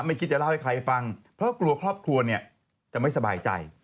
คิดจะเล่าให้ใครฟังเพราะกลัวครอบครัวเนี่ยจะไม่สบายใจ